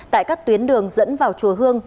tại các tuyến đường dẫn vào chùa hương